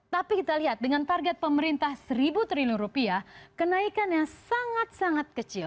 tapi kita lihat dengan target pemerintah seribu triliun rupiah kenaikannya sangat sangat kecil